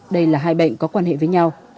đây là hai bệnh có quan hệ với nhau